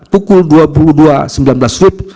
pukul dua puluh dua sembilan belas wib